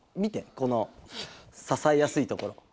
このささえやすいところ。